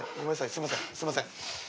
すいませんすいません。